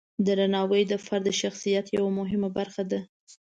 درناوی د فرد د شخصیت یوه مهمه برخه ده.